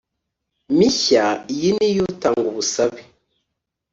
mishya iyi n iyi y utanga ubusabe